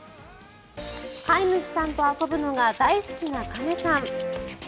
飼い主さんと遊ぶのが大好きな亀さん。